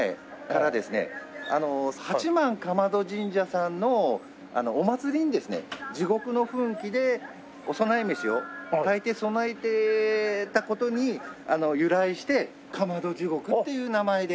八幡竈門神社さんのお祭りにですね地獄の噴気でお供え飯を炊いて供えてた事に由来してかまど地獄っていう名前で。